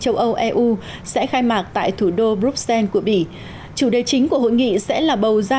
châu âu eu sẽ khai mạc tại thủ đô bruxelles của bỉ chủ đề chính của hội nghị sẽ là bầu ra